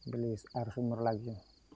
beli air sumur lagi